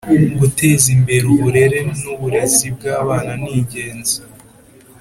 Guteza imbere uburere n uburezi bw abananingenzi